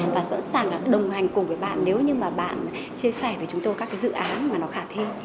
và sẵn sàng là đồng hành cùng với bạn nếu như bạn chia sẻ với chúng tôi các dự án mà nó khả thi